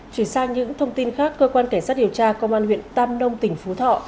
chuyển sang những thông tin khác cơ quan cảnh sát điều tra công an huyện tam nông tỉnh phú thọ